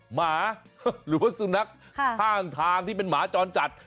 หมาหรือว่าสุนัขข้างทางที่เป็นหมาจรจัด